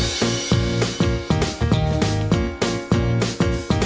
นี่ค่ะอีกนึงร้านนะคะสวัสดีค่ะ